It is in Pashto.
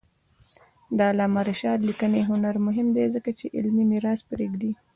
د علامه رشاد لیکنی هنر مهم دی ځکه چې علمي میراث پرېږدي.